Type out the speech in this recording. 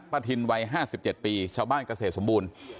ทินวัย๕๗ปีชาวบ้านเกษตรสมบูรณ์